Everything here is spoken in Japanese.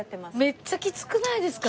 めっちゃきつくないですか？